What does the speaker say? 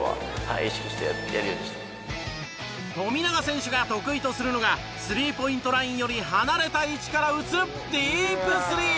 富永選手が得意とするのがスリーポイントラインより離れた位置から打つディープスリー。